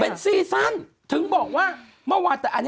ก็อย่างที่คุณหมอเขาเริ่มสงสัยว่าเอ๊ะทำไมแบบเวลาลูกอาการสุดหนักขนาดนั้น